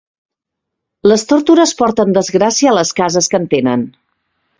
Les tórtores porten desgràcia a les cases que en tenen.